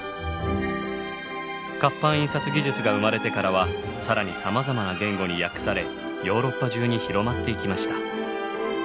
活版印刷技術が生まれてからは更にさまざまな言語に訳されヨーロッパ中に広まっていきました。